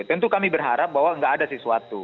tentu kami berharap bahwa nggak ada sesuatu